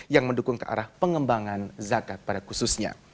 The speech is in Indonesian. yang mendukung kearah pengembangan zakat pada khususnya